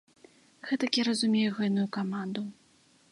Гэтак я разумеў гэную каманду.